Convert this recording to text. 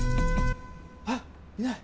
あいない。